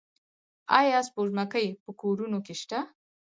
آیا سپوږمکۍ په کورونو کې نشته؟